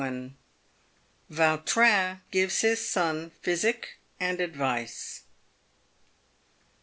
VAUTRIN GIVES HIS SON PHYSIC AND ADVICE.